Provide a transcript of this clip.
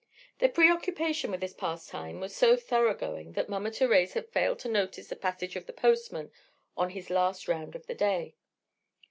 Their preoccupation with this pastime was so thoroughgoing that Mama Thérèse even failed to notice the passage of the postman on his last round of the day.